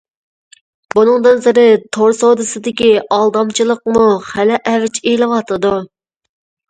بۇنىڭدىن سىرت، تور سودىسىدىكى ئالدامچىلىقمۇ خېلى ئەۋج ئېلىۋاتىدۇ.